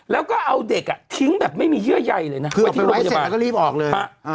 แล้วก็เอาเด็กอ่ะทิ้งแบบไม่มีเยื่อใยเลยนะคือออกไปไว้เสร็จแล้วก็รีบออกเลย